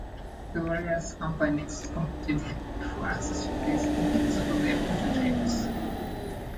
The various companies competed heavily for access to these engines for their prototypes.